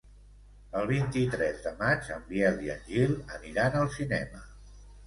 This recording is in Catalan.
El vint-i-tres de maig en Biel i en Gil aniran al cinema.